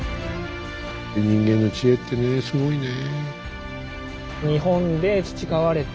人間の知恵ってねすごいね。